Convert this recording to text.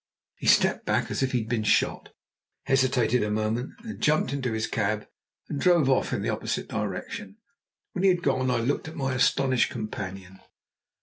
He stepped back as if he had been shot, hesitated a moment, and then jumped into his cab and drove off in the opposite direction. When he had gone I looked at my astonished companion.